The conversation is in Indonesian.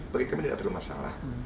bagi kami tidak ada masalah